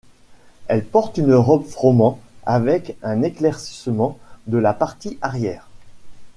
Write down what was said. Elle porte une robe froment avec un éclaircissement de la partie arrière.